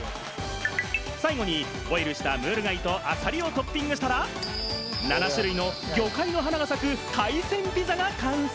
最後にボイルしたムール貝とアサリをトッピングしたら、７種類の魚介の花が咲く海鮮ピザが完成！